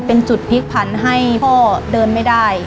เป็นจุดพลิกผันให้พ่อเดินไม่ได้